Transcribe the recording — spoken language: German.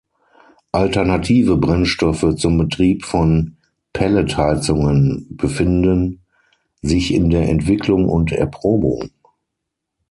Alternative Brennstoffe zum Betrieb von Pelletheizungen befinden sich in der Entwicklung und Erprobung.